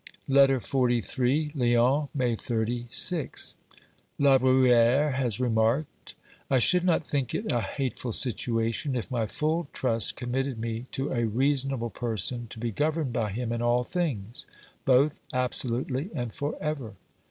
LETTER XLIII Lyons, May 30 (VI). La Bruy^re has remarked :" I should not think it a hate ful situation if my full trust committed me to a reasonable person to be governed by him in all things, both abso lutely and for ever.